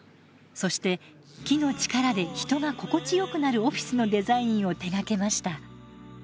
そして木の力で人が心地よくなるオフィスのデザインを手がけました。